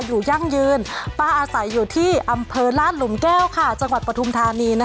อยู่ยั่งยืนป้าอาศัยอยู่ที่อำเภอราชหลุมแก้วค่ะจังหวัดปธุมธรรมดีนะคะ